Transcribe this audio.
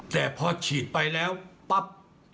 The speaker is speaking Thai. แต่พอฉีดไปแล้วปั๊บ